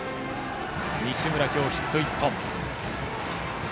西村、今日ヒット１本。